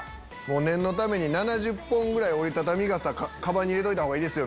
念のために７０本ぐらい折り畳み傘カバンに入れといたほうがいいですよ！